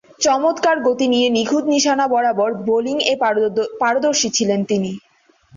চমৎকার গতি নিয়ে নিখুঁত নিশানা বরাবর বোলিংয়ে পারদর্শী ছিলেন তিনি।